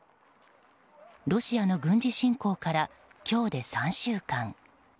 ロシアの軍事侵攻から今日で３週間。